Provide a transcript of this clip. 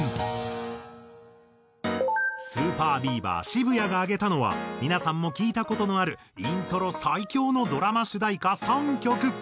渋谷が挙げたのは皆さんも聴いた事のあるイントロ最強のドラマ主題歌３曲。